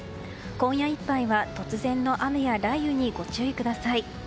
今夜いっぱいは突然の雨や雷雨にご注意ください。